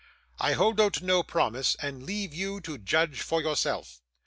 I held out no promise, and leave you to judge for yourself.